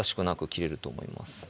切れると思います